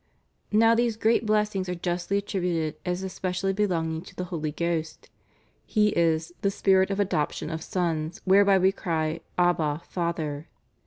Now these great blessings are justly attributed as especially belonging to the Holy Ghost. He is "the Spirit of adoption of sons, whereby we cry: Abba, Father."